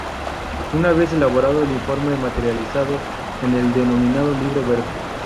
Una vez elaborado el informe materializado en el denominado libro verde.